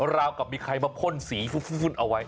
อร่ามกับมีใครมาพ่นสีครึ่งเอาไว้